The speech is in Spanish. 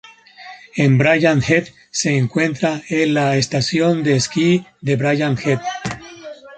En Brian Head se encuentra el la estación de esquí de Brian Head.